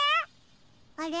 あれ？